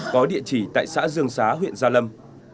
có địa chỉ tại xã dương xá huyện gia lâm